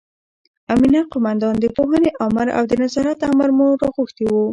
امینه قوماندان، د پوهنې امر او د نظارت امر مو راغوښتي وو.